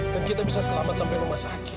dan kita bisa selamat sampai rumah sakit